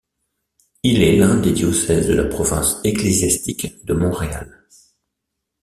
Il est l'un des diocèses de la province ecclésiastique de Montréal.